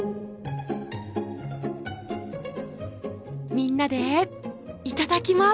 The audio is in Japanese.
みんなでいただきます！